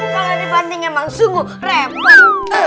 kalau dibanding emang sungguh repot